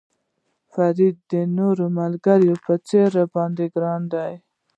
فرید د نورو ملګرو په څېر را باندې ګران و.